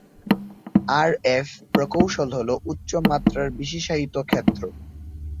আর F প্রকৌশল হলো উচ্চ মাত্রার বিশেষায়িত ক্ষেত্র।